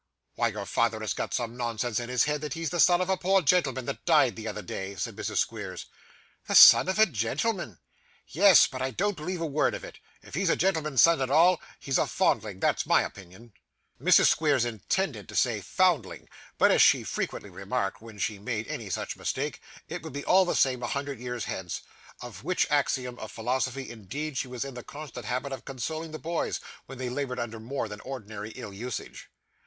'Why, your father has got some nonsense in his head that he's the son of a poor gentleman that died the other day,' said Mrs. Squeers. 'The son of a gentleman!' 'Yes; but I don't believe a word of it. If he's a gentleman's son at all, he's a fondling, that's my opinion.' 'Mrs. Squeers intended to say 'foundling,' but, as she frequently remarked when she made any such mistake, it would be all the same a hundred years hence; with which axiom of philosophy, indeed, she was in the constant habit of consoling the boys when they laboured under more than ordinary ill usage.